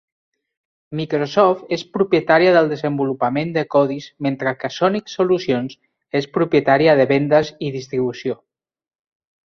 Microsoft és propietària del desenvolupament de codis mentre que Sonic Solutions és propietària de vendes i distribució.